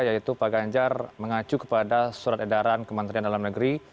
yaitu pak ganjar mengacu kepada surat edaran kementerian dalam negeri